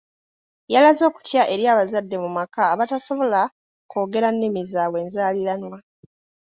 Yalaze okutya eri abazadde mu maka abatasobola kwogera nnimi zaabwe enzaaliranwa.